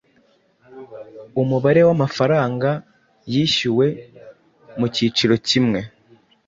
Umubare w’amafaranga yishyuwe mu kiciro kimwe